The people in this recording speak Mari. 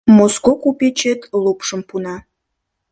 Моско купечет лупшым пуна